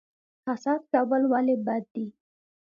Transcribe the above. حسد کول ولې بد دي؟